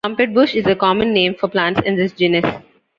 Trumpetbush is a common name for plants in this genus.